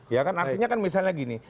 ya kan artinya kan misalnya gini